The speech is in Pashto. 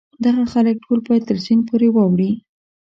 دغه خلک ټول باید تر سیند پورې واوړي.